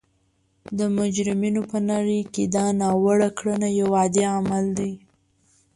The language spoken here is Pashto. د مجرمینو په نړۍ کې دا ناوړه کړنه یو عادي عمل دی